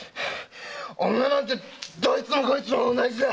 女なんてどいつもこいつも同じだ！